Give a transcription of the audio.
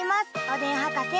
おでんはかせ。